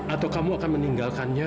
atau kamu akan meninggalkannya